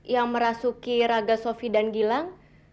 yang merasuki raga sofi dan gilang